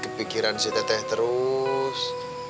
kepikiran si teteh terus